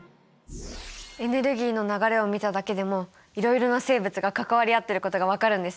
エネルギーの流れを見ただけでもいろいろな生物が関わり合ってることが分かるんですね。